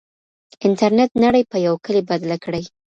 انټرنېټ نړۍ په يو کلي بدله کړې.